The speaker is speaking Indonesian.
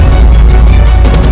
kalahkan aku terlebih dahulu